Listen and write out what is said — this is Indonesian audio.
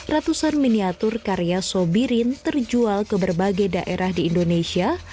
ratusan miniatur karya sobirin terjual ke berbagai daerah di indonesia